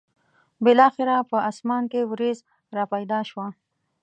بالاخره به په اسمان کې ورېځ را پیدا شوه.